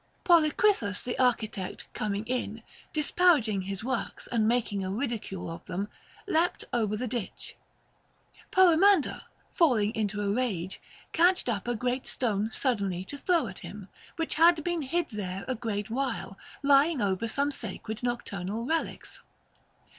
Policrithus the architect coming in, disparaging his works and making a ridicule of them, leaped over the ditch ; Poemander, falling into a rage, catched up a great stone suddenly to throw at him, which had been hid there a great while, lying over some sacred nocturnal relics.